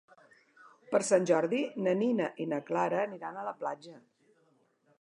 Per Sant Jordi na Nina i na Clara aniran a la platja.